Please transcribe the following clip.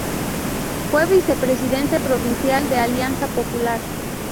Fue vicepresidente provincial de Alianza Popular.